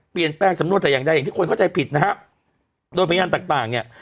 เปลี่ยนแป้งสำนวนแต่ยังได้อย่างที่คนเข้าใจผิดนะฮะโดยพยายามต่างต่างเนี่ย